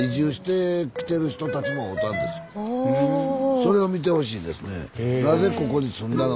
それを見てほしいですね。